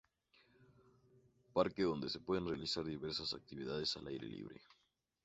Parque donde se pueden realizar diversas actividades al aire libre.